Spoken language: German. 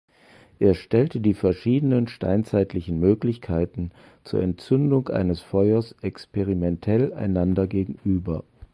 Er stellte die verschiedenen steinzeitlichen Möglichkeiten zur Entzündung eines Feuers experimentell einander gegenüber.